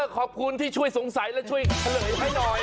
ขอบคุณที่ช่วยสงสัยและช่วยเฉลยให้หน่อย